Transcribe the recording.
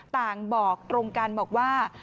บอกตรงกันบอกว่า